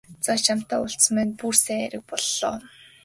За чамтай уулзсан маань бүр сайн хэрэг боллоо.